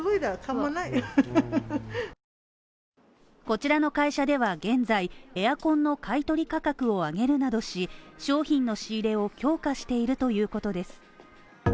こちらの会社では現在、エアコンの買い取り価格を上げるなどし、商品の仕入れを強化しているということです。